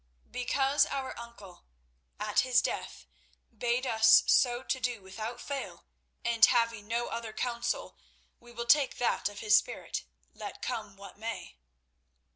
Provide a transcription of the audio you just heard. "Because our uncle at his death bade us so to do without fail, and having no other counsel we will take that of his spirit, let come what may."